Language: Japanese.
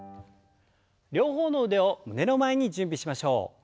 両方の腕を胸の前に準備しましょう。